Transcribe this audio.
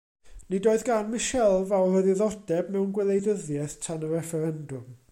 Nid oedd gan Michelle fawr o ddiddordeb mewn gwleidyddiaeth tan y refferendwm.